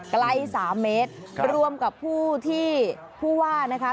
ไกล๓เมตรรวมกับผู้ที่ผู้ว่านะคะ